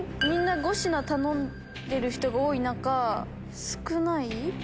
５品頼んでる人が多い中少ない？